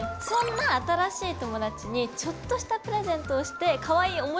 そんな新しい友達にちょっとしたプレゼントをしてかわいい！